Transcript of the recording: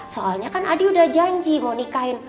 soalnya kan adi udah janji mau nikahin